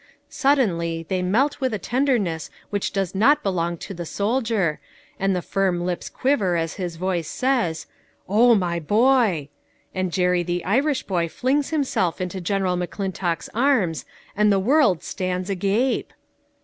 Suddenly they melt with a tenderness which does not belong to the soldier, and the firm lips quiver as his voice says :" O my boy !" and Jerry the Irish boy flings himself into General McClintock's arms, and the world stands agape